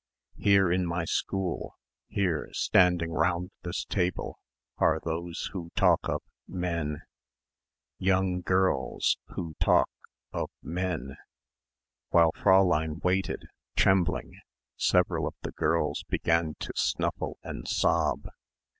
"Here in my school, here standing round this table are those who talk of men. "Young girls ... who talk ... of men." While Fräulein waited, trembling, several of the girls began to snuffle and sob.